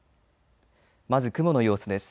まず雲の様子です。